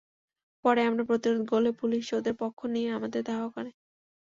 পরে আমরা প্রতিরোধ গড়লে পুলিশ ওদের পক্ষ নিয়ে আমাদের ধাওয়া করে।